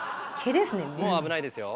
もう危ないですよ。